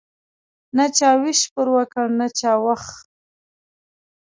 نه چا ویش پر وکړ نه چا واخ.